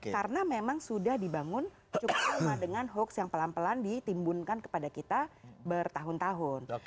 karena memang sudah dibangun cuma dengan hoax yang pelan pelan ditimbunkan kepada kita bertahun tahun